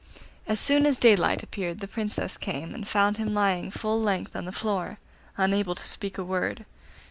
As soon as daylight appeared the Princess came, and found him lying full length on the floor, unable to speak a word.